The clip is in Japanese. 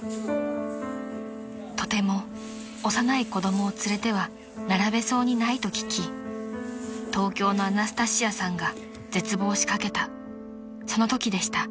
［とても幼い子供を連れては並べそうにないと聞き東京のアナスタシアさんが絶望しかけたそのときでした］